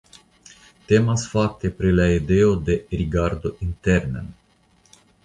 Temas fakte pri la ideo de «rigardo internen».